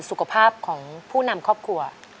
สุขภาพของผู้นำครอบครัว